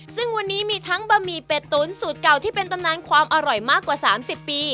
ซึ่งวันนี้มีทั้งบะหมี่เป็ดตุ๋นสูตรเก่าที่เป็นตำนานความอร่อยมากกว่า๓๐ปี